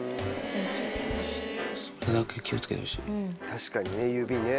確かにね指ね。